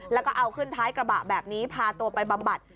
แล้วก็เอาขึ้นท้ายกระบะแบบนี้พาตัวไปบำบัด